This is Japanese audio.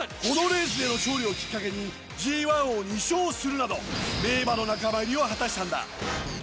このレースでの勝利をきっかけにＧⅠを２勝するなど名馬の仲間入りを果たしたんだ。